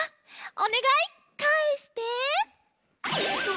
おねがいかえして。